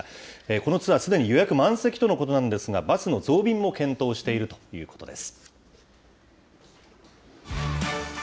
このツアー、すでに予約満席とのことなんですが、バスの増便も検討しているということです。